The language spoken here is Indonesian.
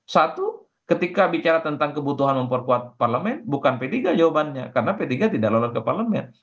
satu ketika bicara tentang kebutuhan memperkuat parlemen bukan p tiga jawabannya karena p tiga tidak lolos ke parlemen